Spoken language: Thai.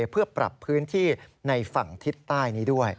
เพื่อปรับพื้นที่ในฝั่งทิศใต้นี้ด้วย